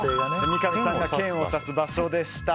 三上さんが剣を刺す場所でした。